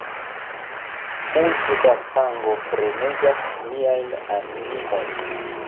Multe da sango premegas niajn animojn.